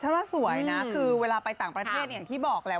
ว่าสวยคือเวลาไปฝังประเทศต้องเอาใหญ่